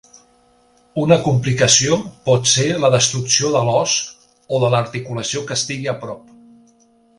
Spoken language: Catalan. Una complicació pot ser la destrucció de l"os o de l"articulació que estigui a prop.